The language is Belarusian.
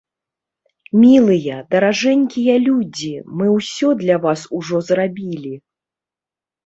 Мілыя, даражэнькія людзі, мы ўсё для вас ужо зрабілі!